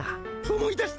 思い出した？